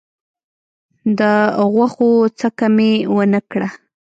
د غوښو څکه مي ونه کړه .